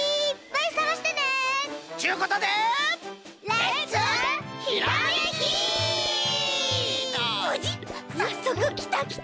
さっそくきたきた。